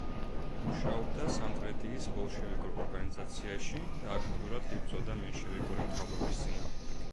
მუშაობდა სამტრედიის ბოლშევიკურ ორგანიზაციაში და აქტიურად იბრძოდა მენშევიკური მთავრობის წინააღმდეგ.